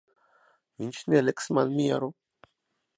Viņš neliks man mieru.